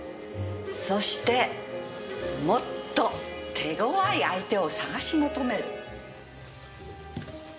そしてもっと手強い相手を探し求める。